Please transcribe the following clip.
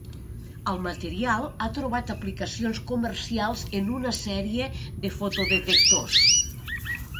El material ha trobat aplicacions comercials en una sèrie de fotodetectors.